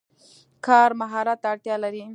کار مهارت ته اړتیا لري.